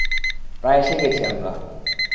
প্রায় এসে গেছি আমরা।